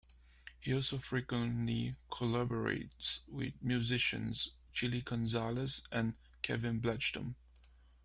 He also frequently collaborates with musicians Chilly Gonzales and Kevin Blechdom.